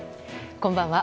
こんばんは。